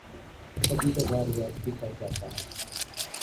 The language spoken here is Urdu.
کبھی کبھار زیادتی کر جاتا ہوں